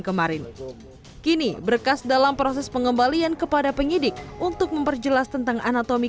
kemarin kini berkas dalam proses pengembalian kepada penyidik untuk memperjelas tentang anatomi